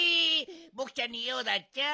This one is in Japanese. ボクちゃんにようだっちゃ？